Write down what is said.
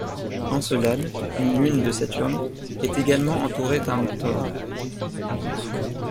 Encelade, une lune de Saturne, est également entourée d'un tore.